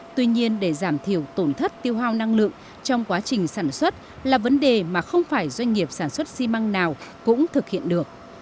tuy nhiên để giảm thiểu tổn thất tiêu hao năng lượng trong quá trình sản xuất là vấn đề mà không phải doanh nghiệp sản xuất xi măng nào cũng thực hiện được